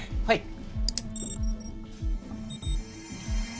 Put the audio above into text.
はい。